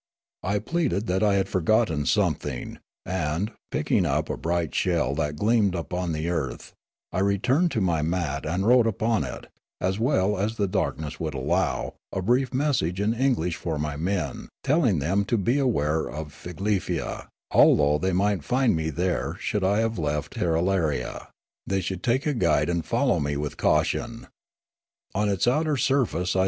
I pleaded that I had forgotten some thing, and, picking up a bright shell that gleamed upon the earth, I returned to ni) mat and wrote upon it, as well as the darkness would allow, a brief message in English for my men, telling them to beware of Figlefia, although they might find me there should I have left Tirralaria ; they should take a guide and fol low me with caution. On its outer surface I